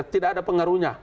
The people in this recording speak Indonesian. tidak ada pengaruhnya